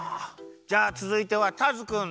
じゃあつづいてはターズくん。